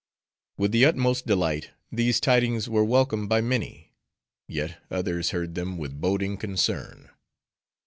With the utmost delight, these tidings were welcomed by many; yet others heard them with boding concern.